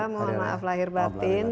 mohon maaf lahir batin